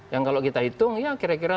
yang kalau kita hitung ya kira kira